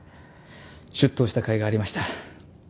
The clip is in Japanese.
出頭したかいがありました。